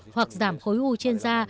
hoặc giảm khối u trên da